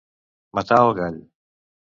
Matar el gall.